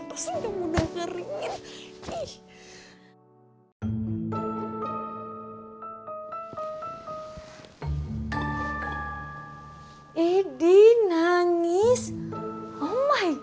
boya diputusin lah